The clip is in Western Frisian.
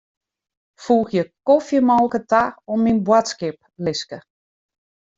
Foegje kofjemolke ta oan myn boadskiplistke.